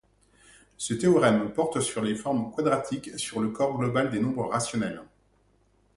Ce théorème porte sur les formes quadratiques sur le corps global des nombres rationnels.